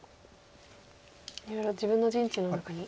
いろいろ自分の陣地の中に。